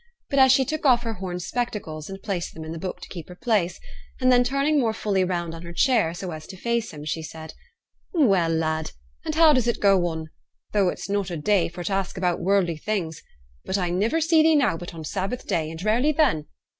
But she took off her horn spectacles and placed them in the book to keep her place; and then turning more fully round on her chair, so as to face him, she said, 'Well, lad! and how does it go on? Though it's not a day for t' ask about worldly things. But I niver see thee now but on Sabbath day, and rarely then.